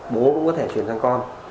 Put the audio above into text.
bố cũng có thể di chuyển sang con